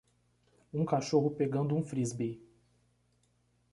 Um cachorro pegando um frisbee.